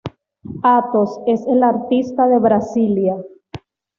Athos es el artista de Brasília.